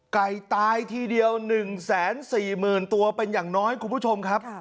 ไก่ตายทีเดียว๑แสน๔หมื่นตัวเป็นอย่างน้อยคุณผู้ชมครับ